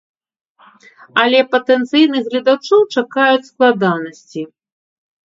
Але патэнцыйных гледачоў чакаюць складанасці.